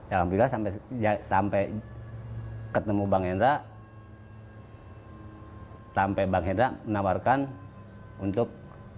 alhamdulillah sampai ketemu bang hendra sampai bang hendra menawarkan untuk